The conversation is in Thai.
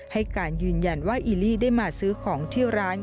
ให้การยืนยันว่าอิลลี่ได้มาซื้อของที่ร้าน